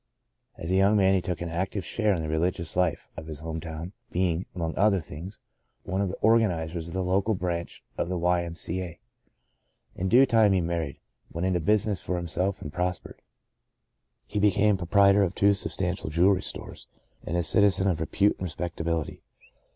As a young man he took an active share in the religious life of his home town, being, among other things, one of the organizers of the local branch of the Y. M. C. A. In due time he married, went into business for him CHAELES BAYARD STEWART. De Profundis 47 self and prospered. He became proprietor of two substantial jewelry stores, and a citizen of repute and respectability.